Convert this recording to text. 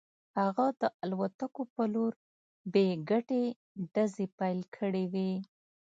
هغه د الوتکو په لور بې ګټې ډزې پیل کړې وې